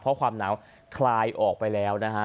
เพราะความหนาวคลายออกไปแล้วนะฮะ